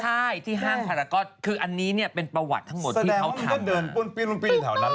ใช่ที่ห้างทรก๊อดคืออันนี้เนี่ยเป็นประวัติทั้งหมดที่เขาทำ